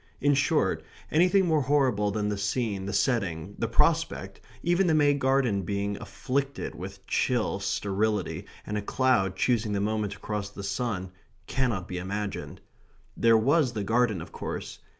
In short, anything more horrible than the scene, the setting, the prospect, even the May garden being afflicted with chill sterility and a cloud choosing that moment to cross the sun, cannot be imagined. There was the garden, of course.